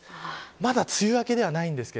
まだ梅雨明けではないんですが。